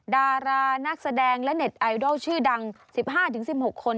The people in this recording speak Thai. ดารานักแสดงและเน็ตไอดอลชื่อดัง๑๕๑๖คน